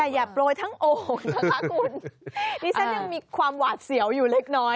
อย่าโปรยทั้งโอ่งนะคะคุณดิฉันยังมีความหวาดเสียวอยู่เล็กน้อย